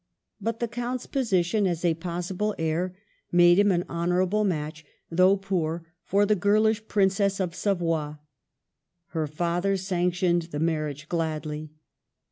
But the Count's position as a possi ble heir made him an honorable match, though poor, for the girlish Princess of Savoy. Her father sanctioned the marriage gladly.